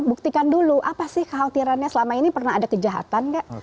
buktikan dulu apa sih kekhawatirannya selama ini pernah ada kejahatan gak